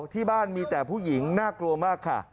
ที่บ้านมีแต่ผู้หญิงน่ากลัวมากค่ะ